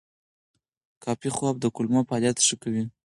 کافي خوب د کولمو فعالیت ښه کوي.